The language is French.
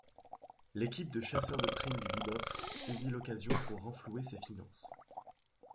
L'équipe de chasseurs de prime du Bebop saisit l'occasion pour renflouer ses finances.